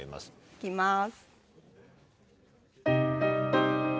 行きます。